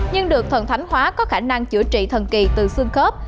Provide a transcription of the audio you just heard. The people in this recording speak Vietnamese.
nhưng được thần thánh hóa có khả năng chữa trị thần kỳ từ xương khớp